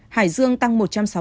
hải dương tăng một trăm sáu mươi một